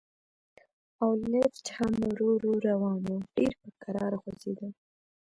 او لفټ هم ورو ورو روان و، ډېر په کراره خوځېده.